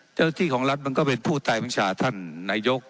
เจ้าหน้าที่ของรัฐมันก็เป็นผู้ใต้บัญชาท่านนายก